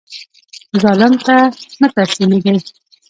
ظالم ته مه تسلیمیږئ